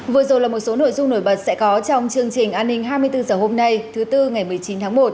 vừa rồi là một số nội dung nổi bật sẽ có trong chương trình an ninh hai mươi bốn h hôm nay thứ tư ngày một mươi chín tháng một